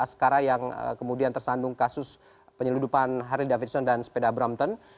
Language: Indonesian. ari askara yang kemudian tersandung kasus penyeludupan harley davidson dan sepeda brampton